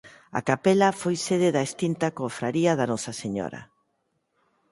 A capela foi sede da extinta Confraría da Nosa Señora.